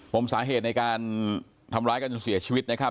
ผมสาเหตุในการทำร้ายกันจนเสียชีวิตนะครับ